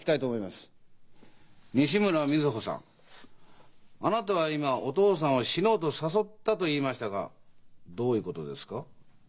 西村瑞穂さんあなたは今「お父さんを死のうと誘った」と言いましたがどういうことですか？